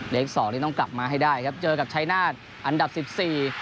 สองนี้ต้องกลับมาให้ได้ครับเจอกับชายนาฏอันดับสิบสี่